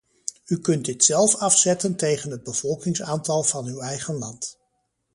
U kunt dit zelf afzetten tegen het bevolkingsaantal van uw eigen land.